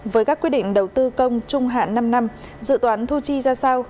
với các quyết định đầu tư công trung hạn năm năm dự toán thu chi ra sao